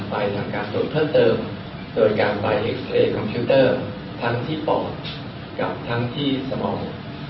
ไปหลังการตรวจเพิ่มเติมโดยการไปอื่นใสคอมพิวเตอร์ทั้งที่เปอร์นกับทั้งที่สมอง